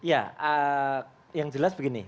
ya yang jelas begini